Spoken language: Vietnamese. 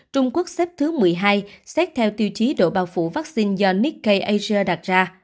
trung quốc xếp thứ một mươi hai xét theo tiêu chí độ bao phủ vaccine do nikkei asia đặt ra